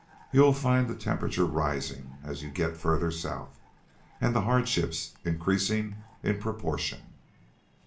You will find the temperature rising as you get further south, and the hardships increasing in proportion."